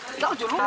air setengah lima